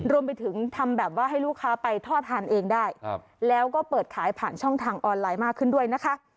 รวมไปถึงทำแบบว่าให้ลูกค้าไปทอดทานเองได้แล้วก็เปิดขายผ่านช่องทางออนไลน์มากขึ้นด้วยนะคะ